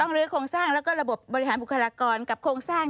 หรือโครงสร้างแล้วก็ระบบบบริหารบุคลากรกับโครงสร้าง